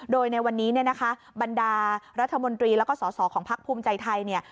โดยในวันนี้เนี่ยนะคะบรรดารัฐมนตรีแล้วก็สอสอของพักภูมิใจไทยเนี่ย